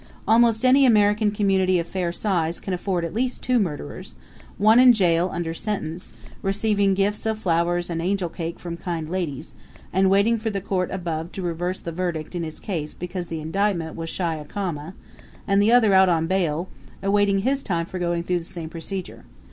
Almost any American community of fair size can afford at least two murderers one in jail, under sentence, receiving gifts of flowers and angel cake from kind ladies, and waiting for the court above to reverse the verdict in his case because the indictment was shy a comma; and the other out on bail, awaiting his time for going through the same procedure.